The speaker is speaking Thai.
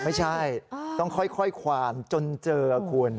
ไม่ใช่ต้องค่อยความจนเจอคุณ